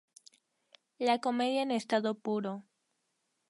La comedia en estado puro.